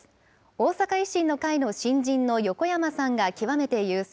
大阪維新の会の新人の横山さんが極めて優勢。